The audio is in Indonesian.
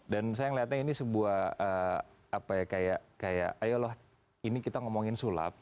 dan saya melihatnya ini sebuah apa ya kayak ayolah ini kita ngomongin sulap